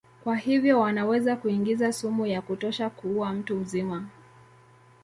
Kwa hivyo wanaweza kuingiza sumu ya kutosha kuua mtu mzima.